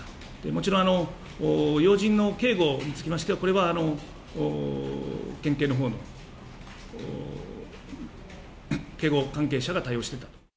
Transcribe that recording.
もちろん、要人の警護につきましては、これは、県警のほうの警護関係者が対応してたと。